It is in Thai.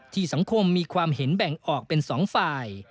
สังคมมีความเห็นแบ่งออกเป็น๒ฝ่าย